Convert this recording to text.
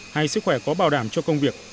hay sức khỏe có bảo đảm cho công việc